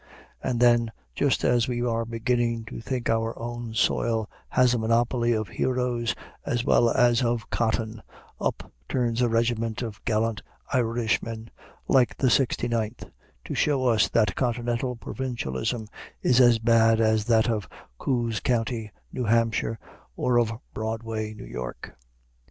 And then, just as we are beginning to think our own soil has a monopoly of heroes as well as of cotton, up turns a regiment of gallant Irishmen, like the Sixty ninth, to show us that continental provincialism is as bad as that of Coos County, New Hampshire, or of Broadway, New York.